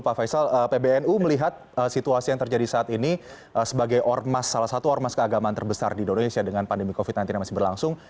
pak faisal pbnu melihat situasi yang terjadi saat ini sebagai ormas salah satu ormas keagamaan terbesar di indonesia dengan pandemi covid sembilan belas yang masih berlangsung